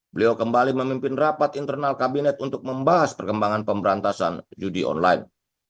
beliau kembali memimpin rapat internal kabinet untuk membahas perkembangan pemberantasan judi online